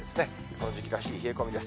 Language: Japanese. この時期らしい冷え込みです。